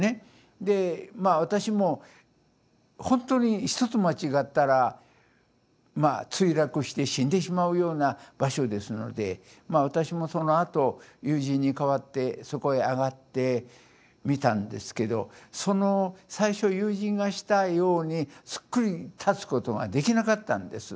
で私も本当に一つ間違ったら墜落して死んでしまうような場所ですので私もそのあと友人に代わってそこへ上がってみたんですけどその最初友人がしたようにすっくり立つことができなかったんです。